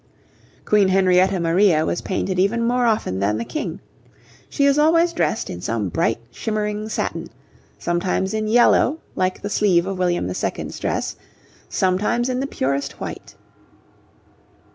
Queen Henrietta Maria was painted even more often than the King. She is always dressed in some bright shimmering satin; sometimes in yellow, like the sleeve of William II.'s dress, sometimes in the purest white.